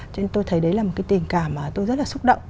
cho nên tôi thấy đấy là một cái tình cảm mà tôi rất là xúc động